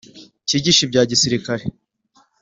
cyigisha ibya gisirikare